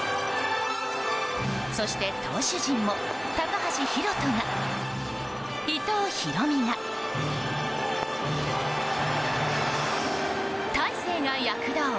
そして投手陣も高橋宏斗が伊藤大海が、大勢が躍動。